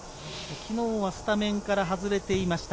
昨日はスタメンから外れていました。